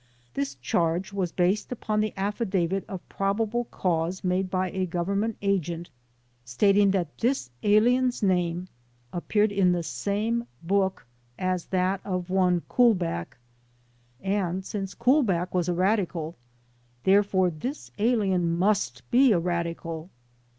This charge was based upon the affidavit of probable cause made by a government agent stating that this alien's name appeared in the same book as that of one Kulback, and since Kulback was a radical, therefore this alien must be a radical.